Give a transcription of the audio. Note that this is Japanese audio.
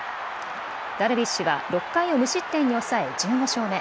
ダルビッシュは６回を無失点に抑え、１５勝目。